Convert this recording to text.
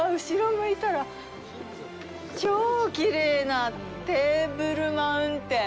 向いたら超きれいなテーブルマウンテン。